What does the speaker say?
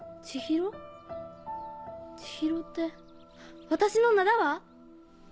ちひろって私の名だわ。